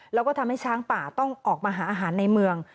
แล้วก็ทำให้ช้างป่าต้องออกมาหาอาหารในเมือง